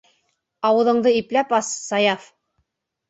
Ауыҙыңды ипләп ас, Саяф!